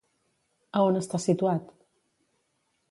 A on està situat?